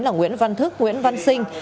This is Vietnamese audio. là nguyễn văn thức nguyễn văn sinh